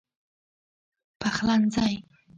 پخلنځی